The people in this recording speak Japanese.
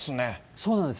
そうなんです。